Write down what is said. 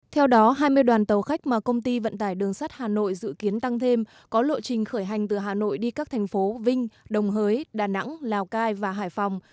theo đó hai mươi đoàn tàu khách mà công ty vận tải đường sắt hà nội dự kiến tăng thêm có lộ trình khởi hành từ hà nội đi các thành phố vinh đồng hới đà nẵng lào cai và hải phòng